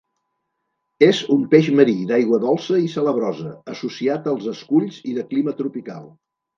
És un peix marí, d'aigua dolça i salabrosa; associat als esculls i de clima tropical.